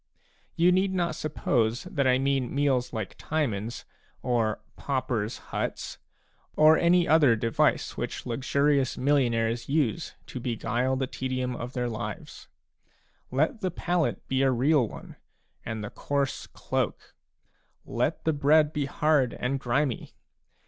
You need not suppose that I mean meals like Timon's, or " paupers' huts/' b or any other device which luxurious millionaires use to beguile the tedium of their lives. Let the pallet be a real one, and the coarse cloak ; let the bread be hard and grimy.